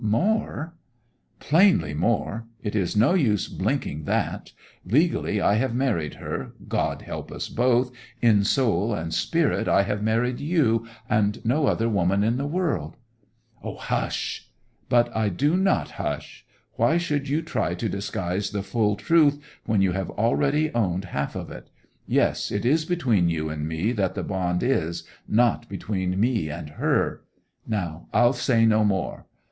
'More?' 'Plainly more. It is no use blinking that. Legally I have married her—God help us both!—in soul and spirit I have married you, and no other woman in the world!' 'Hush!' 'But I will not hush! Why should you try to disguise the full truth, when you have already owned half of it? Yes, it is between you and me that the bond is—not between me and her! Now I'll say no more.